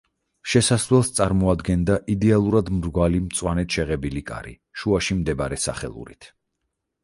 შესასვლელს წარმოადგენდა იდეალურად მრგვალი მწვანედ შეღებილი კარი, შუაში მდებარე სახელურით.